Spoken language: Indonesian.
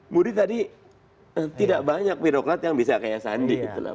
budi tadi tidak banyak birokrat yang bisa kayak sandi gitu loh